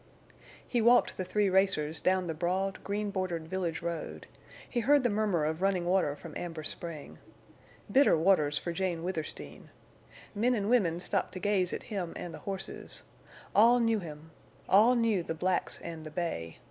He walked the three racers down the broad, green bordered village road. He heard the murmur of running water from Amber Spring. Bitter waters for Jane Withersteen! Men and women stopped to gaze at him and the horses. All knew him; all knew the blacks and the bay.